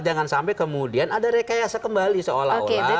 jangan sampai kemudian ada rekayasa kembali seolah olah